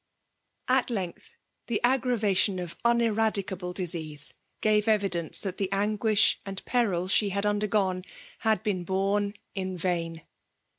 At length, the aggravation of uneradicahle disease gave evidence that the anguish and peril she had undergone, had been borne in vain.